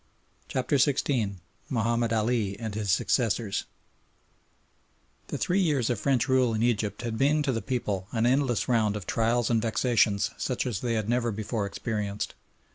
CHAPTER XVI MAHOMED ALI AND HIS SUCCESSORS The three years of French rule in Egypt had been to the people an endless round of trials and vexations such as they had never before experienced.